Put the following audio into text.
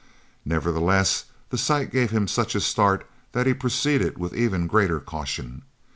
Nevertheless the sight gave him such a start that he proceeded with even greater caution.